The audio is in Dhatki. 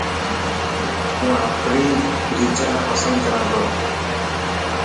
هون آپري ٽيچر نا پسند ڪران ٿو.